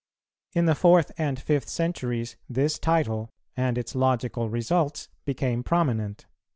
In the fourth and fifth centuries this title and its logical results became prominent.